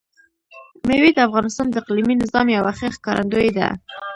مېوې د افغانستان د اقلیمي نظام یوه ښه ښکارندوی ده.